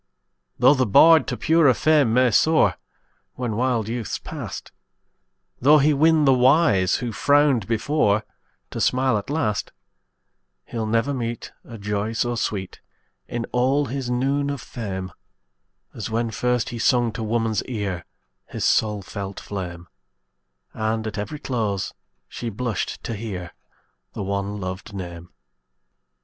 Tho' the bard to purer fame may soar, When wild youth's past; Tho' he win the wise, who frowned before, To smile at last; He'll never meet A joy so sweet, In all his noon of fame, As when first he sung to woman's ear His soul felt flame, And, at every close, she blushed to hear The one lov'd name.